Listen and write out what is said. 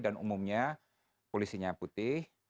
dan umumnya polisinya putih